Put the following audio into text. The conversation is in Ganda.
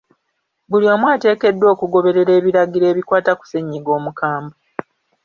Buli omu ateekeddwa okugoberera ebiragiro ebikwata ku ssennyiga omukambwe.